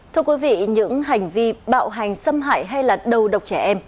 thưa quý vị những hành vi bạo hành xâm hại hay là đầu độc trẻ em